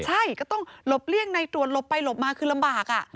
ใช่ก็ต้องหลบเลี่ยงในตรวจหลบไปหลบมาคือลำบาก